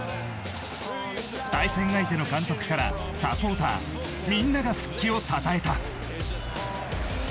対戦相手の監督からサポーターみんなが復帰をたたえた。